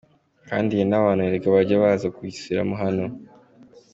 Kandi hari n’abantu erega bajyaga baza kugisura hano.